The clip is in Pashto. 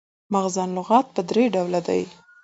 مفغن لغات پر درې ډوله دي.